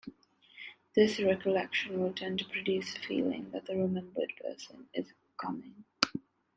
This recollection will tend to produce the feeling that the remembered person is "coming".